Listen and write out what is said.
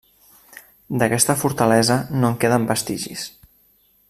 D'aquesta fortalesa no en queden vestigis.